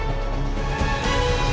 sama sama terima kasih